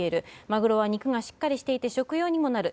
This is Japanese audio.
マグロは肉がしっかりしていて食用にもなる。